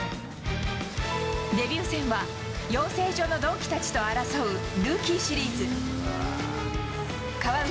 デビュー戦は、養成所の同期たちと争うルーキーシリーズ。